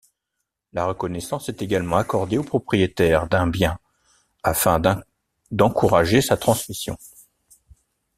La reconnaissance est également accordée aux propriétaires d'un bien afin d'encourager sa transmission.